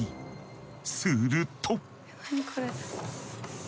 すると。